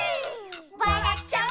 「わらっちゃう」